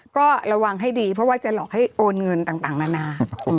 ก็ระวังให้ดีเพราะว่าจะหลอกให้โอนเงินต่างนานา